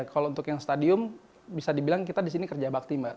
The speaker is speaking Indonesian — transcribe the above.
kalau untuk yang stadium bisa dibilang kita di sini kerja bakti mbak